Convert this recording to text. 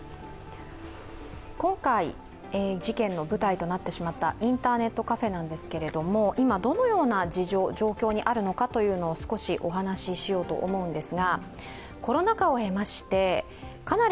今回、事件の舞台なってしまったインターネットカフェですが今、どのような状況にあるのかを少しお話ししようと思います。